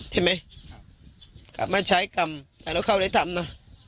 ใช่ไหมครับกลับมาใช้กรรมแต่เราเข้าได้ทำนะ